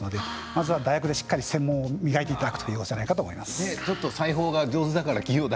まずは大学でしっかり専門を磨いていただくのがいいと思います。